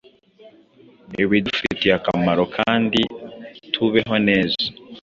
ibidufitiye akamaro kandi tubeho neza.